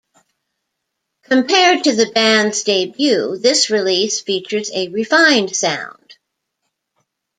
Compared to the bands' debut, this release features a refined sound.